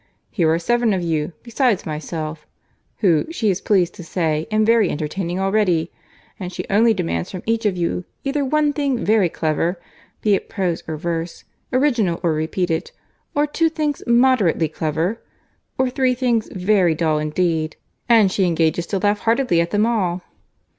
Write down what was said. Here are seven of you, besides myself, (who, she is pleased to say, am very entertaining already,) and she only demands from each of you either one thing very clever, be it prose or verse, original or repeated—or two things moderately clever—or three things very dull indeed, and she engages to laugh heartily at them all."